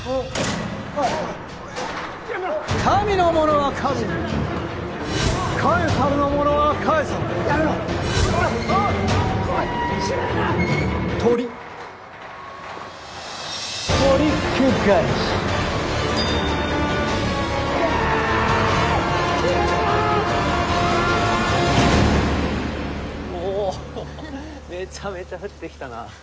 あ！おめちゃめちゃ降ってきたな。